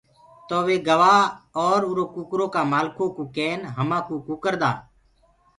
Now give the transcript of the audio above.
تو وي گوآ اور اُرو ڪٚڪَرو ڪآ مآلکو ڪوُ ڪين همآ ڪوٚ ڪٚڪَر دآ۔